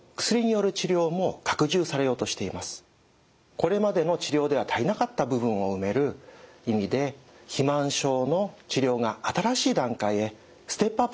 これまでの治療では足りなかった部分を埋める意味で肥満症の治療が新しい段階へステップアップすると考えています。